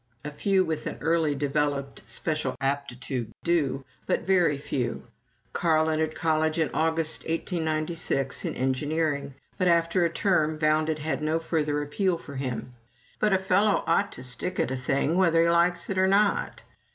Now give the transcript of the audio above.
A few with an early developed special aptitude do, but very few. Carl entered college in August, 1896, in Engineering; but after a term found that it had no further appeal for him. "But a fellow ought to stick to a thing, whether he likes it or not!"